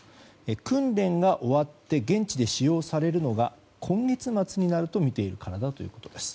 訓練が終わって現地で使用されるのが今月末になるとみているからだということです。